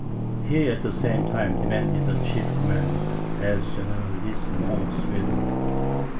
He at the same time demanded the chief command, as generalissimo of Sweden.